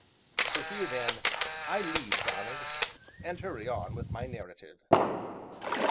So here then I leave Donald and hurry on with my narrative.